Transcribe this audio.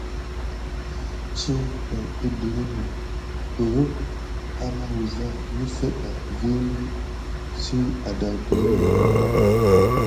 Sine tat kuduweni kurum amayusa nefet bas vini sina adayuka.